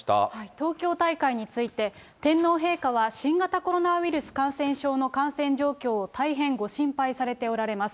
東京大会について、天皇陛下は新型コロナウイルス感染症の感染状況を大変ご心配されておられます。